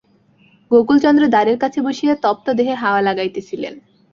গোকুলচন্দ্র দ্বারের কাছে বসিয়া তপ্ত দেহে হাওয়া লাগাইতেছিলেন।